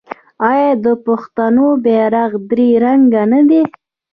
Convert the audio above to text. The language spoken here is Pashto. آیا د پښتنو بیرغ درې رنګه نه دی؟